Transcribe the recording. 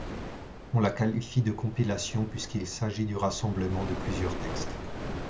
On la qualifie de compilation puisqu'il s'agit du rassemblement de plusieurs textes.